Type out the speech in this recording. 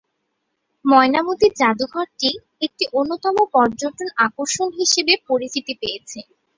ময়নামতি জাদুঘরটি একটি অন্যতম পর্যটন আকর্ষণ হিসেবে পরিচিতি পেয়েছে।